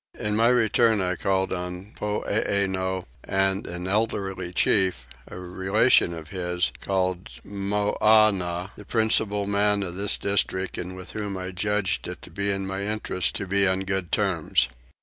In my return I called on Poeeno, and an elderly chief, a relation of his, called Moannah, the principal men of this district and with whom I judged it my interest to be on good terms.